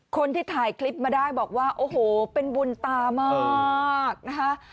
คนที่ถ่ายคลิปมาได้บอกว่าโอ้โหเป็นบุญตามากนะคะ